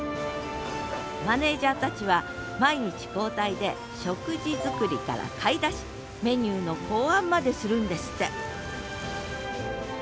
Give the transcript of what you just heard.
マネージャーたちは毎日交代で食事作りから買い出しメニューの考案までするんですって